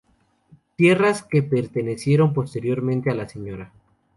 Tierras que pertenecieron, posteriormente, a la Sra.